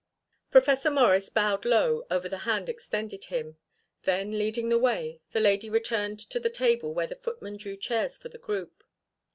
Professor Morris bowed low over the hand extended him. Then leading the way, the lady returned to the table where the footman drew chairs for the group.